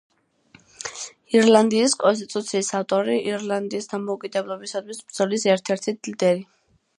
ირლანდიის კონსტიტუციის ავტორი, ირლანდიის დამოუკიდებლობისათვის ბრძოლის ერთ-ერთი ლიდერი.